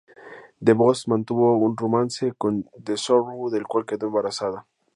The Boss mantuvo un romance con The Sorrow, del cual quedó embarazada.